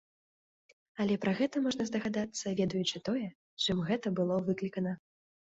Але пра гэта можна здагадацца, ведаючы тое, чым гэта было выклікана.